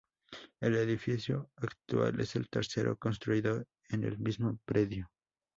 El edificio actual es el tercero construido en el mismo predio.